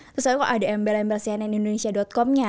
terus kok ada embel embel cnn indonesia com nya